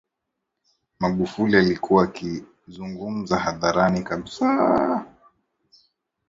Magufuli alikuwa akizungumza hadharani kabisa